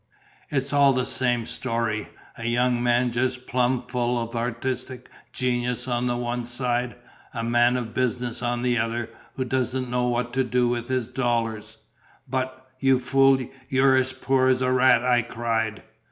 it's all the same story: a young man just plum full of artistic genius on the one side, a man of business on the other who doesn't know what to do with his dollars " "But, you fool, you're as poor as a rat," I cried.